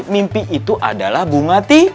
mimpi itu adalah bunga